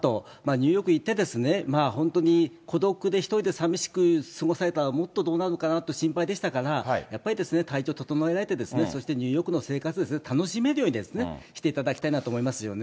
ニューヨーク行って、本当に孤独で１人で寂しく過ごされたら、もっとどうなるのかなと心配でしたから、やっぱり体調整えられて、そしてニューヨークの生活ですね、楽しめるようにしていただきたいなと思いますよね。